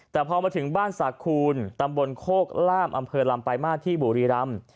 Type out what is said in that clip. แต่พอมาถึงบ้านสาคูณตำบลโคกล่ามอำเภอลำปลายมาสที่บุรีรำ